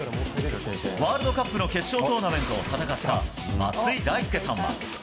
ワールドカップの決勝トーナメントを戦った松井大輔さんは。